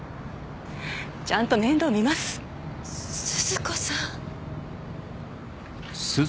ちゃんと面倒みます鈴子さん